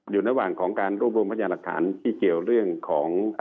อยู่ระหว่างของการรวบรวมพยานหลักฐานที่เกี่ยวเรื่องของ